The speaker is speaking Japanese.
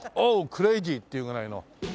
クレイジー！」って言うぐらいの。